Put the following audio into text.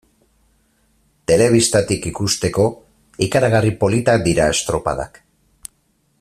Telebistatik ikusteko, ikaragarri politak dira estropadak.